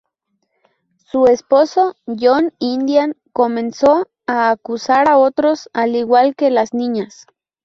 Su esposo, John Indian, comenzó a acusar a otros, al igual que las niñas.